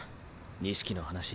錦の話。